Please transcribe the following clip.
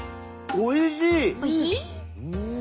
おいしい？